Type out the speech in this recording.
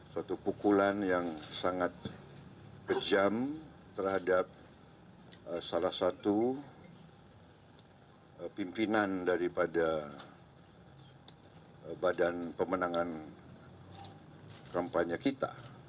suatu pukulan yang sangat kejam terhadap salah satu pimpinan daripada badan pemenangan kampanye kita